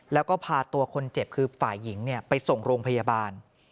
แล้วก็พาตัวคนเจ็บคือฝ่ายหญิงไปส่งโรงพยาบาล